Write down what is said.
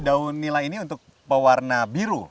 daun nila ini untuk pewarna biru